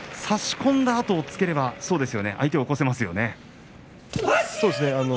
差し込んだあと押っつければ相手を起こせますね。